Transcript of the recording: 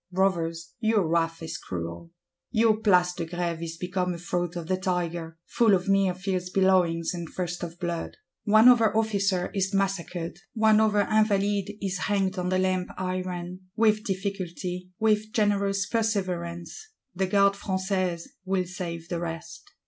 Brothers, your wrath is cruel! Your Place de Grève is become a Throat of the Tiger; full of mere fierce bellowings, and thirst of blood. One other officer is massacred; one other Invalide is hanged on the Lamp iron: with difficulty, with generous perseverance, the Gardes Françaises will save the rest.